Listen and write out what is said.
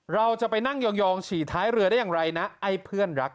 เราจะไปนั่งยองฉี่ท้ายเรือได้อย่างไรนะไอ้เพื่อนรัก